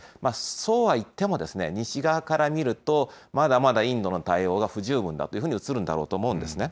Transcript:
そうは言っても、西側から見ると、まだまだインドの対応が不十分だというふうに映るんだろうと思うんですね。